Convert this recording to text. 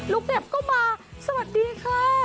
ลูกแจ็ปก็มาสวัสดีค่ะ